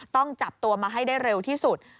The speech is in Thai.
ต้องจับตัวมาให้ได้เร็วที่สุด